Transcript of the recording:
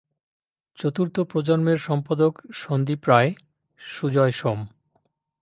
চতুর্থ প্রজন্মের সম্পাদক সন্দীপ রায়, সুজয় সোম।